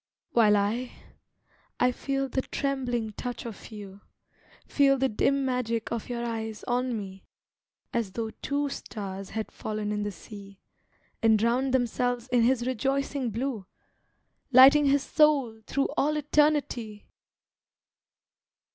While I, I feel the trembling touch of you, Feel the dim magic of your eyes on me, As though two stars had fallen in the sea, And drowned themselves in his rejoicing blue, Lighting his soul through all eternity!